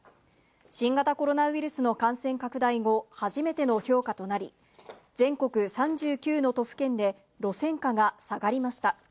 新型コロナウイルスの感染拡大後、初めての評価となり、全国３９の都府県で路線価が下がりました。